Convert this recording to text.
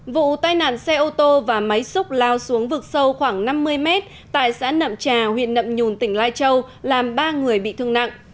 vụ tai nạn xe ô tô và máy xúc lao xuống vực sâu khoảng năm mươi mét tại xã nậm trà huyện nậm nhùn tỉnh lai châu làm ba người bị thương nặng